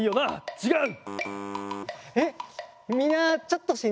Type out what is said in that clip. ちがう！